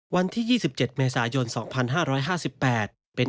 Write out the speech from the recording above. วันที่๒๗เมษายน๒๕๕๘เป็น